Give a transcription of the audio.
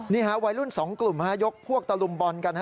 นี่ฮะวัยรุ่น๒กลุ่มยกพวกตลวมบอลกัน